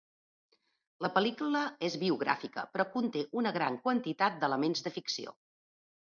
La pel·lícula és biogràfica, però conté una gran quantitat d'elements de ficció.